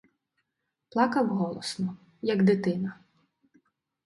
Плакав голосно, як дитина.